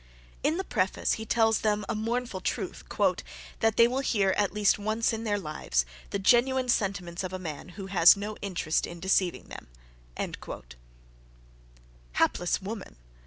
In the preface he tells them a mournful truth, "that they will hear, at least once in their lives, the genuine sentiments of a man, who has no interest in deceiving them." Hapless woman!